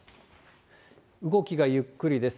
動きがゆっくりです。